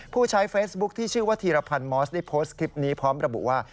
ผู้ใช้เฟซบุ๊คที่ชื่อว่าธีรพันธ์มอสได้โพสต์คลิปนี้พร้อมระบุว่า